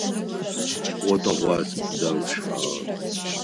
О тыгъуасэ тыдэ ущыӏагъа?